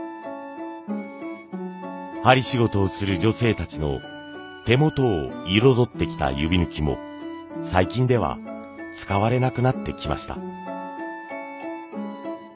針仕事をする女性たちの手元を彩ってきた指ぬきも最近では使われなくなってきました。